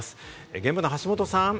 現場の橋本さん。